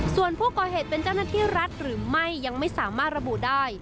ส่วนผู้ก่อเหตุเป็นเจ้าหน้าที่รัฐหรือไม่ยังไม่สามารถระบุได้